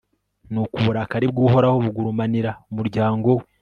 nuko uburakari bw'uhoraho bugurumanira umuryango we